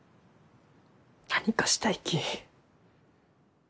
何かしたいき。